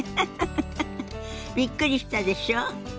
ウフフびっくりしたでしょ。